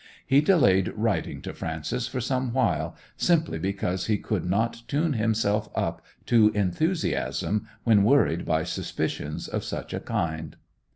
He delayed writing to Frances for some while, simply because he could not tune himself up to enthusiasm when worried by suspicions of such a kind.